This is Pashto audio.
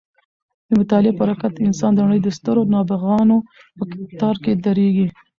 د مطالعې په برکت انسان د نړۍ د سترو نابغانو په کتار کې درېږي.